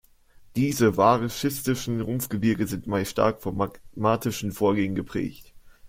Diese variszischen Rumpfgebirge sind meist stark von magmatischen Vorgängen geprägt.